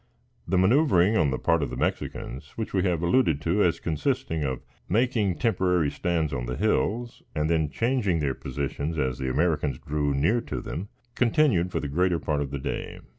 The manoeuvering on the part of the Mexicans, which we have alluded to as consisting of making temporary stands on the hills, and then changing their positions as the Americans drew near to them, continued for the greater part of the day.